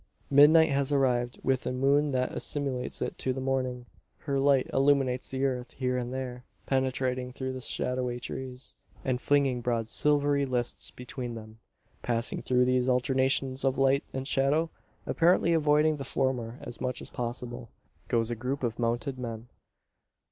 Midnight has arrived, with a moon that assimilates it to morning. Her light illumines the earth; here and there penetrating through the shadowy trees, and flinging broad silvery lists between them. Passing through these alternations of light and shadow apparently avoiding the former, as much as possible goes a group of mounted men.